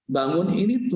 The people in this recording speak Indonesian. bangun ini terbangun